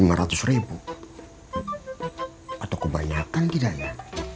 lima ratus atau kebanyakan tidak ya